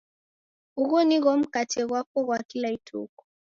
Ughu nigho mkate ghwapo ghwa kila ituku.